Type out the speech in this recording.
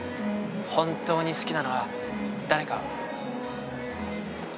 本当に好きなのは誰か。